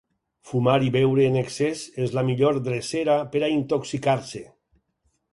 Fumar i beure en excés és la millor drecera per a intoxicar-se.